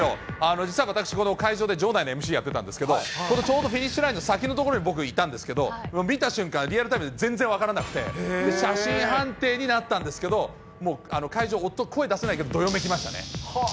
実は私、この会場で場内のＭＣやってたんですけど、このちょうどフィニッシュラインの先の所に僕、いたんですけど、見た瞬間、リアルタイムで全然分からなくて、写真判定になったんですけど、もう会場、声出せないけど、どよめきましたね。